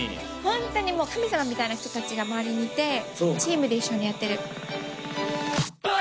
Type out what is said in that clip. ホントにもう神様みたいな人たちが周りにいてチームで一緒にやってる。